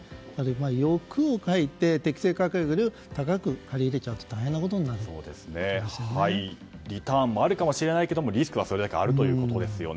欲をかいて適正価格より高く借り入れるとリターンもあるかもしれないけどリスクはそれだけあるということですよね。